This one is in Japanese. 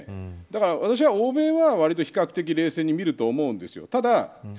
だから私は欧米は比較的冷静に見ると思うんです。